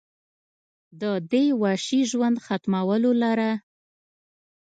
د دې وحشي ژوند ختمولو لره